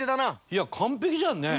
いや完璧じゃんね。